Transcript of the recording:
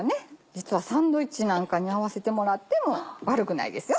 実はサンドイッチなんかに合わせてもらっても悪くないですよ。